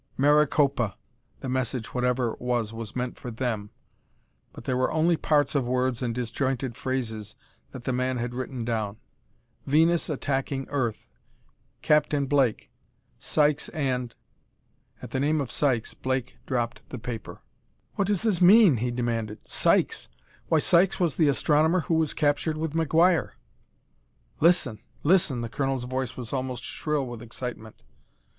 "Maricopa" the message, whatever it was, was meant for them, but there were only parts of words and disjointed phrases that the man had written down "Venus attacking Earth ... Captain Blake ... Sykes and...." At the name of Sykes, Blake dropped the paper. "What does this mean?" he demanded. "Sykes! why Sykes was the astronomer who was captured with McGuire!" "Listen! Listen!" The colonel's voice was almost shrill with excitement.